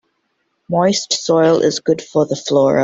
Moist soil is good for the flora.